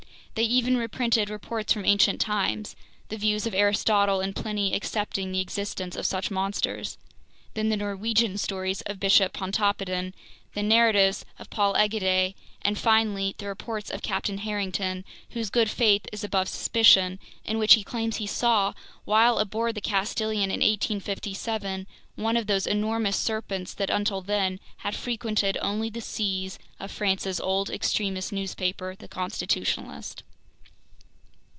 They even reprinted reports from ancient times: the views of Aristotle and Pliny accepting the existence of such monsters, then the Norwegian stories of Bishop Pontoppidan, the narratives of Paul Egede, and finally the reports of Captain Harrington—whose good faith is above suspicion—in which he claims he saw, while aboard the Castilian in 1857, one of those enormous serpents that, until then, had frequented only the seas of France's old extremist newspaper, The Constitutionalist.